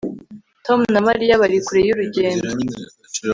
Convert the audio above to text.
Tom na Mariya bari kure yurugendo